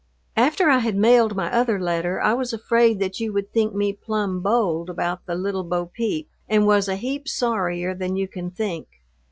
After I had mailed my other letter I was afraid that you would think me plumb bold about the little Bo Peep, and was a heap sorrier than you can think.